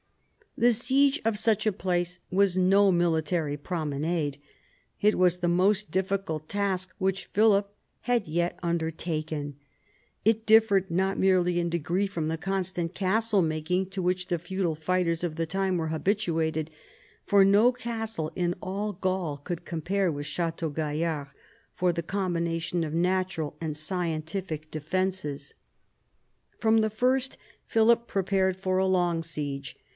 The siege of such a place was no military promenade. It was the most difficult task which Philip had yet undertaken. It differed not merely in degree from the constant castle taking to which the feudal fighters of the time were habituated, for no castle in all Gaul could compare with Chateau Gaillard for the combination of natural and scientific defences. in THE FALL OF THE ANGEVINS 73 From the first Philip prepared for a long siege.